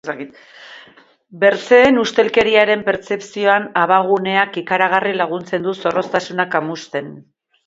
Bertzeen ustelkeriaren pertzepzioan abaguneak ikaragarri laguntzen du zorroztasuna kamusten.